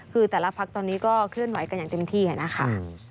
คือแต่ละพักตอนนี้ก็เคลื่อนไหวกันอย่างเต็มที่นะคะ